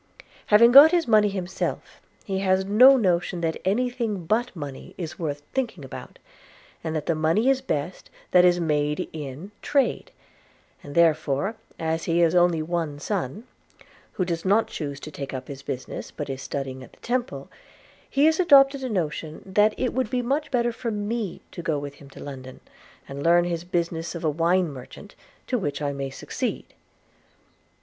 Having got his money himself, he has no notion that any thing but money is worth thinking about; and that the money is best that is made in trade; and therefore, as he has only one son, who does not choose to take up his business, but is studying at the Temple, he has adopted a notion, that it would be much better for me to go with him to London, and learn his business of a wine merchant, to which I may succeed.'